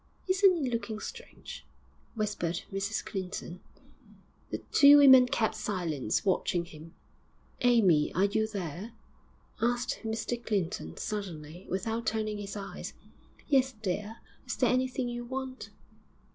'Isn't 'e looking strange?' whispered Mrs Clinton. The two women kept silence, watching him. 'Amy, are you there?' asked Mr Clinton, suddenly, without turning his eyes. 'Yes, dear. Is there anything you want?'